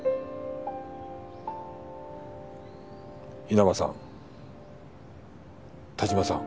稲葉さん田島さん。